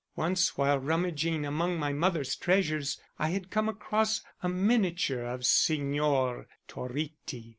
Once while rummaging amongst my mother's treasures I had come across a miniature of Signor Toritti.